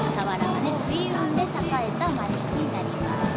水運で栄えた街になります。